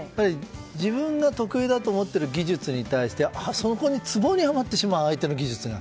自分が得意だと思っている技術に対してそこのツボにはまってしまう相手の技術が。